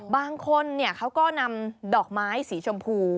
บางคนเขาก็นำดอกไม้สีชมพู